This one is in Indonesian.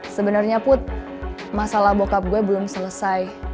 sebenernya put masalah bokap gue belum selesai